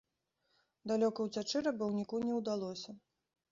Далёка ўцячы рабаўніку не ўдалося.